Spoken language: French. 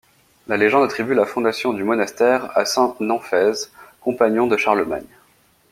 La légende attribue la fondation du monastère à saint Namphaise, compagnon de Charlemagne.